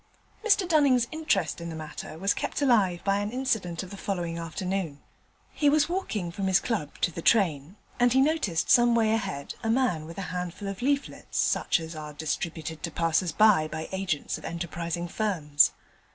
Mr Dunning's interest in the matter was kept alive by an incident of the following afternoon. He was walking from his club to the train, and he noticed some way ahead a man with a handful of leaflets such as are distributed to passers by by agents of enterprising firms.